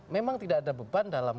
memang tidak ada beban dalam